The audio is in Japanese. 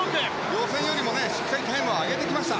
予選よりもしっかりとタイムを上げてきました。